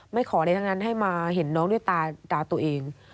ขออะไรทั้งนั้นให้มาเห็นน้องด้วยตาตัวเอง